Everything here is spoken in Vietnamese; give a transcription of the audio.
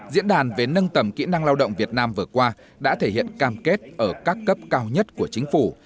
diễn đàn về nâng tầm kỹ năng lao động việt nam vừa qua đã thể hiện cam kết ở các cấp cao nhất của chính phủ